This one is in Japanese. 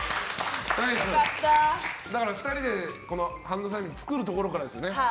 ２人でハンドサインを作るところからですよね。